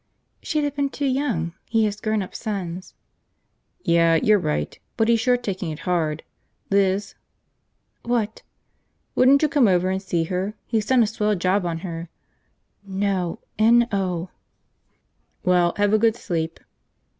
"She'd have been too young. He has grown up sons." "Yeah, you're right. But he's sure taking it hard. Liz ..." "What?" "Wouldn't you come over and see her? He's done a swell job on her. ..." "No. N O." "Well, have a good sleep."